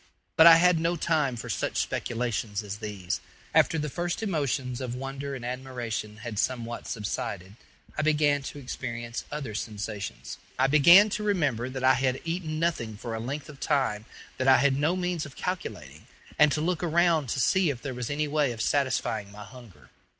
But I had no time for such speculations as these. After the first emotions of wonder and admiration had somewhat subsided, I began to experience other sensations. I began to remember that I had eaten nothing for a length of time that I had no means of calculating, and to look around to see if there was any way of satisfying my hunger.